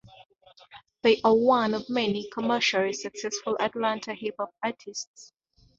They are one of many commercially successful Atlanta hip hop artists.